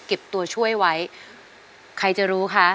ตัวช่วยไว้ใครจะรู้คะ